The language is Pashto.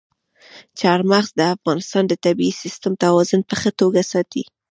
چار مغز د افغانستان د طبعي سیسټم توازن په ښه توګه ساتي.